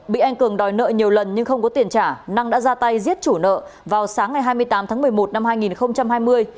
bị anh cường đòi nợ nhiều lần nhưng không có tiền trả năng đã ra tay giết chủ nợ vào sáng ngày hai mươi tám tháng một mươi một năm hai nghìn hai mươi